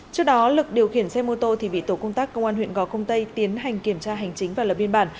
trước đó lực điều khiển xe mô tô thì bị tổ công tác công an huyện gò công tây tiến hành kiểm tra hành chính và lập biên bản